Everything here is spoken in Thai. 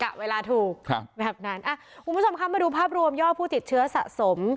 เวลาถูกครับแบบนั้นอ่ะคุณผู้ชมคะมาดูภาพรวมยอดผู้ติดเชื้อสะสม